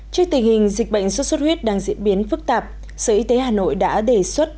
trước tình hình dịch bệnh sốt xuất huyết đang diễn biến phức tạp sở y tế hà nội đã đề xuất